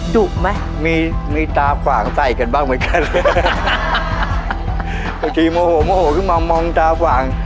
ดุไหมมีมีตาขวางใส่กันบ้างเหมือนกันบางทีโมโหโมโหขึ้นมามองตาขวาง